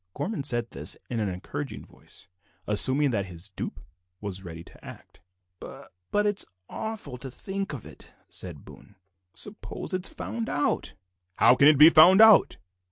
Gorman said this in an encouraging voice, assuming that his dupe was ready to act. "B but it's awful to think of," said Boone; "suppose it's found out?" "How can it be found out?"